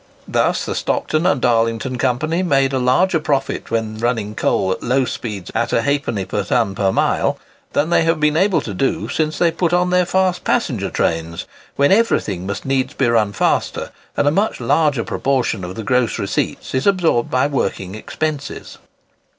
Thus the Stockton and Darlington Company made a larger profit when running coal at low speeds at a halfpenny a ton per mile, than they have been able to do since they put on their fast passenger trains, when everything must needs be run faster, and a much larger proportion of the gross receipts is absorbed by working expenses."